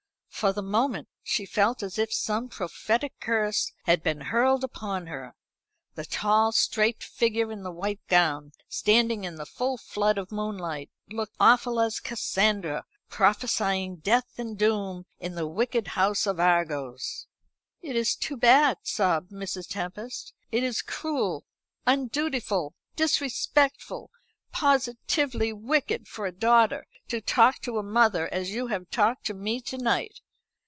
For the moment she felt as if some prophetic curse had been hurled upon her. The tall straight figure in the white gown, standing in the full flood of moonlight, looked awful as Cassandra, prophesying death and doom in the wicked house at Argos. "It is too bad," sobbed Mrs. Tempest; "it is cruel, undutiful, disrespectful, positively wicked for a daughter to talk to a mother as you have talked to me to night.